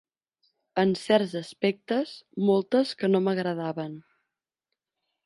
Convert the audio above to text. En certs aspectes moltes que no m'agradaven